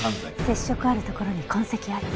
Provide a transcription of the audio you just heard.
接触あるところに痕跡あり。